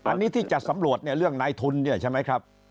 อันนี้ที่จะสำรวจเนี่ยเรื่องนายทุนเนี่ยใช่ไหมครับ